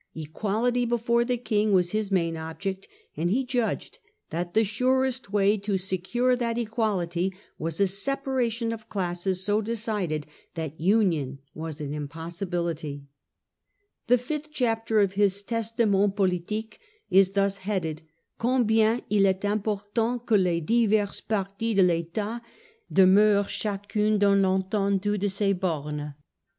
Equality before the King was his main object, and he judged that the surest way to secure that equality was a separation of classes so decided that union was an impossibility. The 5th chapter of his 1 Testament politique 9 is thus headed :* Combien il est important que les diverses parties de l'dtat demeurent chacune dans l'ctcndue de ses bornes.